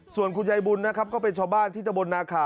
ส่วนคุณยายบุญนะครับก็เป็นชาวบ้านที่ตะบนนาขา